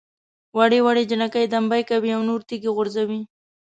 وړې وړې جنکۍ دمبۍ کوي او نور تیږه غورځوي.